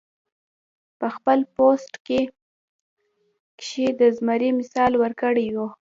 پۀ خپل پوسټ کښې د زمري مثال ورکړے وۀ -